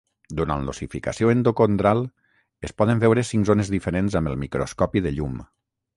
Durant l'ossificació endocondral, es poden veure cinc zones diferents amb el microscopi de llum.